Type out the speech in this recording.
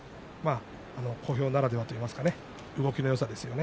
小兵ならではといいますか動きのよさですね。